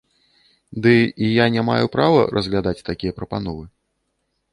Ды і я не маю права разглядаць такія прапановы.